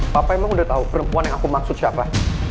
papa emang udah tahu perempuan yang aku maksud siapa